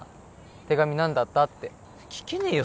手紙何だった？って聞けねえよ